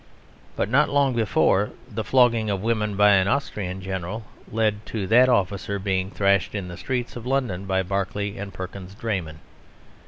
But not long before, the flogging of women by an Austrian general led to that officer being thrashed in the streets of London by Barclay and Perkins' draymen.